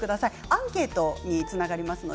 アンケートにつながります。